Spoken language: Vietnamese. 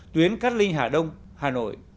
tuyến cát linh hà đông hà nội